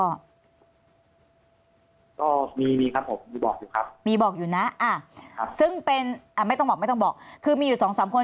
ก็มีครับผมมีบอกอยู่นะซึ่งเป็นไม่ต้องบอกไม่ต้องบอกคือมีอยู่๒๓คน